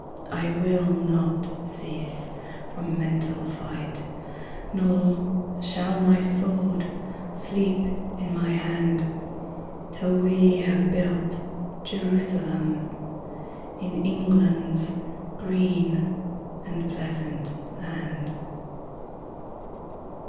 I will not cease from mental fight, Nor shall my sword sleep in my hand Till we have built Jerusalem In England's green and pleasant land.